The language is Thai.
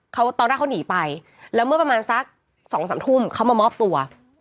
เขาตอนแรกเขาหนีไปแล้วเมื่อประมาณสักสองสามทุ่มเขามามอบตัว